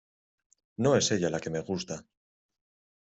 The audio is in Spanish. no es ella la que me gusta.